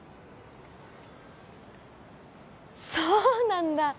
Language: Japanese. そうなんだ！